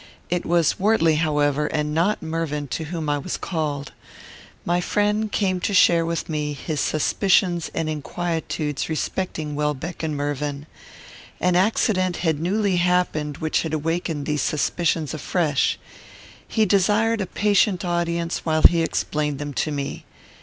It was Wortley, however, and not Mervyn, to whom I was called. My friend came to share with me his suspicions and inquietudes respecting Welbeck and Mervyn. An accident had newly happened which had awakened these suspicions afresh. He desired a patient audience while he explained them to me.